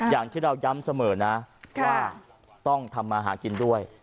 อย่างที่เราย้ำเสมอนะว่าต้องทำมาหากินด้วย